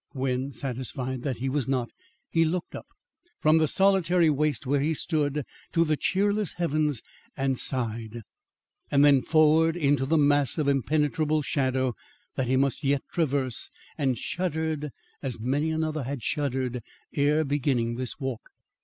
When satisfied that he was not, he looked up, from the solitary waste where he stood, to the cheerless heavens and sighed; then forward into the mass of impenetrable shadow that he must yet traverse and shuddered as many another had shuddered ere beginning this walk.